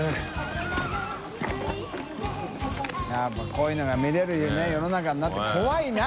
笋辰僂こういうのが見れるね世の中になって怖いな！